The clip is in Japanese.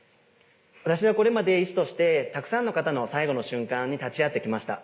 私はこれまで医師としてたくさんの方の最後の瞬間に立ち会ってきました。